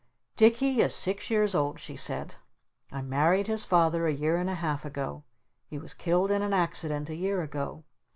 "Dicky is six years old," she said. "I married his Father a year and a half ago. He was killed in an accident a year ago.